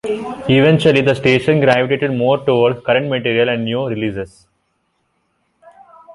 Eventually, the station gravitated more toward current material and new releases.